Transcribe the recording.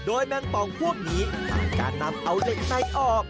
แมงปองพวกนี้ทำการนำเอาเหล็กในออก